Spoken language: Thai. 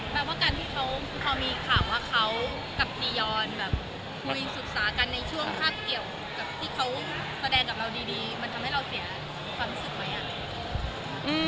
แบบว่าการที่เขามีข่าวว่าเขากับจียอนคุยศึกษากันในช่วงภาพเกี่ยวกับที่เขาแสดงกับเราดี